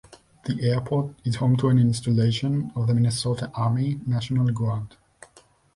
The airport is home to an installation of the Minnesota Army National Guard.